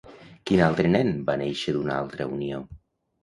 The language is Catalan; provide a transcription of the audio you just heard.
Quin altre nen va néixer d'una altra unió?